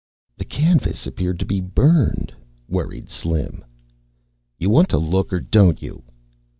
"The canvas appeared to be burned," worried Slim. "You want to look, or don't you?"